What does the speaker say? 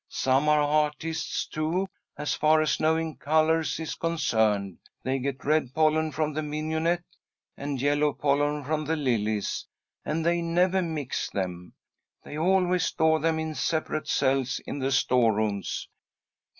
Some are artists, too, as far as knowing colours is concerned. They get red pollen from the mignonette, and yellow pollen from the lilies, and they never mix them. They always store them in separate cells in the storerooms."